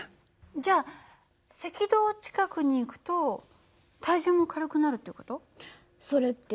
じゃあ赤道近くに行くと体重も軽くなるって事？